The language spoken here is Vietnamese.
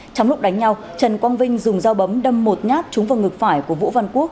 trong lúc đánh nhau trần quang vinh dùng dao bấm đâm một nhát trúng vào ngực phải của vũ văn quốc